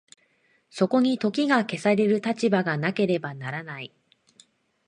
そこに時が消される立場がなければならない。